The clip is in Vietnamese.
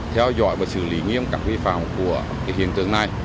trong các vi phạm của hiện tượng này